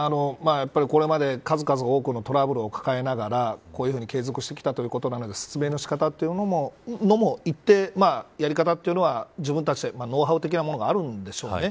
これまで数々多くのトラブルを抱えながらこういうふうに継続してきたということなので説明の仕方というのもいって、やり方というのは自分たちでノウハウ的なものがあるんでしょうね。